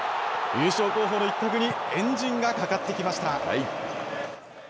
優勝候補の一角にエンジンがかかってきました。